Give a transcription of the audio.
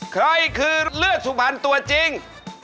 ใครคือเลือดสุพรรณตัวจริง